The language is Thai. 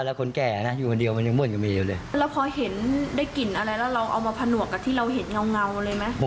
มันเหงาเลยไหมผมมันเหงาแบบนี้เลยครับ